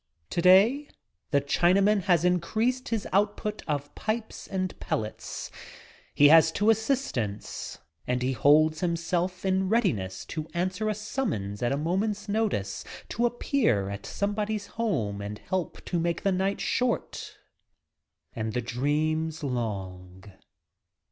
Today the Chinaman has increased his output of pipes and pellets. He has two assistants and he holds himself in readiness to answer a summons at a moment's notice to appear at somebody's home and help to make the night short and the dreams long.